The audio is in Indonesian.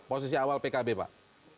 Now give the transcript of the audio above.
posisi awal pkb pak